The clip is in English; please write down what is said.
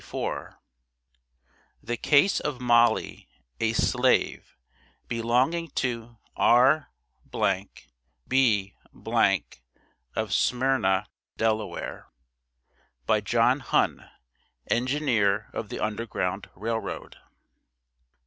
THE CASE OF MOLLY, A SLAVE, BELONGING TO R B , OF SMYRNA, DELAWARE. BY JOHN HUNN, ENGINEER OF THE UNDERGROUND RAIL ROAD.